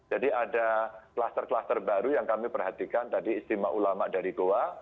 jadi ada klaster klaster baru yang kami perhatikan tadi istimewa ulama dari goa